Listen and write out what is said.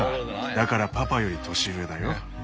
だからパパより年上だよ。